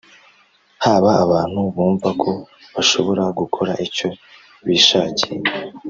haba abantu bumva ko bashobora gukora icyo bishakiye